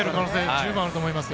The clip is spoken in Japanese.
十分あると思います。